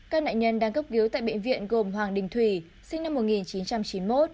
các nạn nhân đang cấp cứu tại bệnh viện gồm hoàng đình thủy sinh năm một nghìn chín trăm chín mươi một